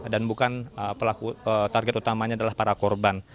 dan bukan target utamanya adalah para korban